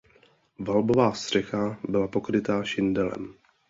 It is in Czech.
Valbová střecha byla pokryta šindelem.